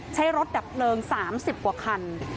ใช้รถดับเพลิง๓๐กว่าคัน